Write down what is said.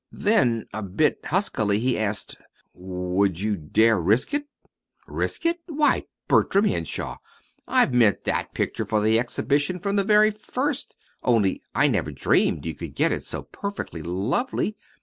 Then, a bit huskily, he asked: "Would you dare risk it?" "Risk it! Why, Bertram Henshaw, I've meant that picture for the Exhibition from the very first only I never dreamed you could get it so perfectly lovely.